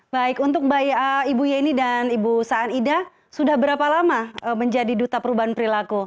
baik untuk ibu yeni dan ibu saan ida sudah berapa lama menjadi duta perubahan perilaku